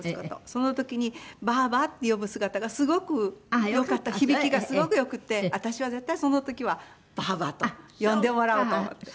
その時に「ばあば」って呼ぶ姿がすごく響きがすごく良くて私は絶対その時は「ばあば」と呼んでもらおうと思って。